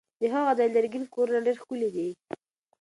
د هغه ځای لرګین کورونه ډېر ښکلي دي.